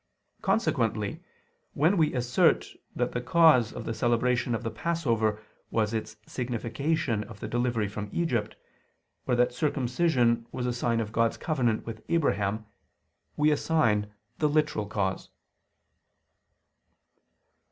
Consequently when we assert that the cause of the celebration of the Passover was its signification of the delivery from Egypt, or that circumcision was a sign of God's covenant with Abraham, we assign the literal cause.